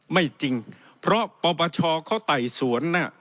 ไม่จริงเพราะปปชเขาไต่สวน